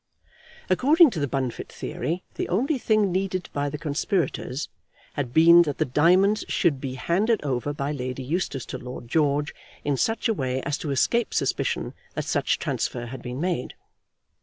According to the Bunfit theory, the only thing needed by the conspirators had been that the diamonds should be handed over by Lady Eustace to Lord George in such a way as to escape suspicion that such transfer had been made.